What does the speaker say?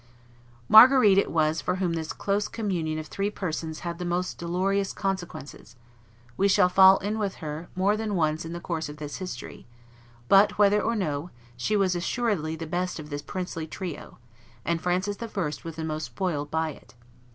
Marguerite it was for whom this close communion of three persons had the most dolorous consequences: we shall fall in with her more than once in the course of this history; but, whether or no, she was assuredly the best of this princely trio, and Francis I. was the most spoiled by it.